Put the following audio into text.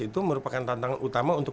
itu merupakan tantangan utama untuk